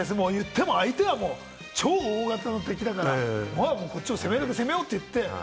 言っても、相手は超大型の敵だから、こっちは攻めよう！って言って。